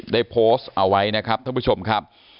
ได้โพสต์เอาไว้นะครับท่านผู้ชมครับ